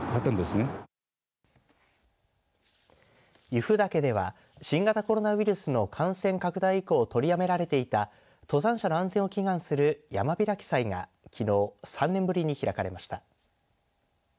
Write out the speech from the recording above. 由布岳では新型コロナウイルスの感染拡大以降、取りやめられていた登山者の安全を祈願する山開き祭が、きのう３年ぶりに開かれました。